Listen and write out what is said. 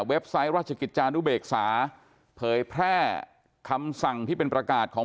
ไซต์ราชกิจจานุเบกษาเผยแพร่คำสั่งที่เป็นประกาศของ